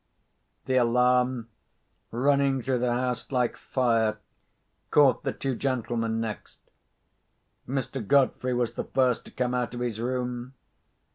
The alarm, running through the house like fire, caught the two gentlemen next. Mr. Godfrey was the first to come out of his room.